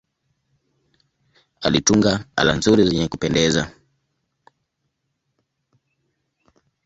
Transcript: Alitunga ala nzuri zenye kupendeza.